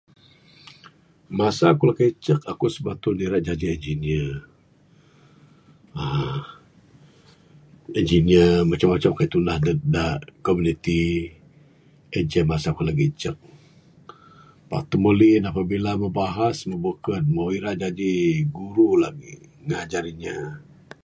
Masa akuk lagi icuk akuk sebetul ne akuk irak jadi engineer. uhh Engineer macam macam kayuh tundah dug da komuniti. En ceh masa akuk lagi icuk. Pak temuli ne apabila meh bahas mbuh bekun. Ira jaji guru lagi. Ngajar inya.